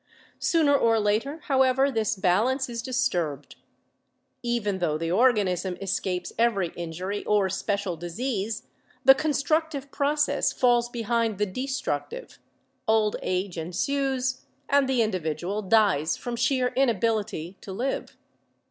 Sooner or later, however, this balance is disturbed. Even tho the organism escapes every injury or special dis^ ease, the constructive process falls behind the destructive, LIFE PROCESSES 117 old age ensues and the individual dies from sheer inability to live.